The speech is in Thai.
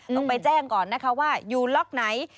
ต้องไปแจ้งก่อนนะคะว่าอยู่ล็อกไหน